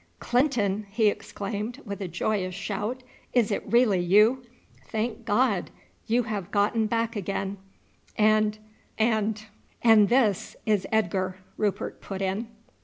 "Clinton!" he exclaimed with a joyous shout; "is it really you? Thank God, you have got back again, and and " "And this is Edgar," Rupert put in.